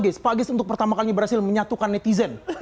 oke pak gies untuk pertama kali berhasil menyatukan netizen